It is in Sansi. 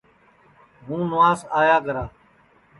ہُوں نُواس آیا کرا